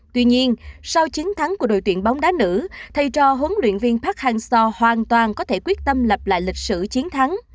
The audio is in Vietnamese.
tuy nhiên sau chiến thắng của đội tuyển bóng đá nữ thầy trò huấn luyện viên park hang seo hoàn toàn có thể quyết tâm lập lại lịch sử chiến thắng